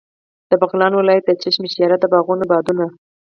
د بغلان ولایت د چشم شیر د باغونو بادونه.